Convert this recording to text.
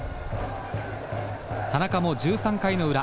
田中も１３回の裏。